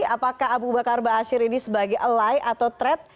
apakah abu bakar basir ini sebagai ally atau threat